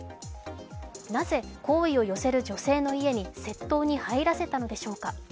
なぜ好意を寄せる女性の家に窃盗に入らせたのでしょうか。